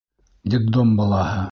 Детдом балаһы...